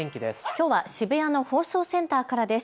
きょうは渋谷の放送センターからです。